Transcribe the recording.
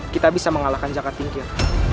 kita bisa mengalahkan jakatingkir